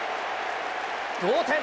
同点。